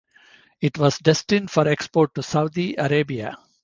It was destined for export to Saudi Arabia.